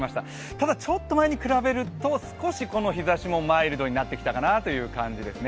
ただちょっと前に比べると、この日ざしもマイルドになってきたかなという感じですね。